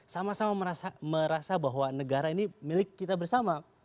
sama sama merasa bahwa negara ini milik kita bersama